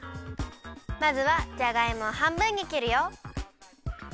まずはじゃがいもをはんぶんにきるよ。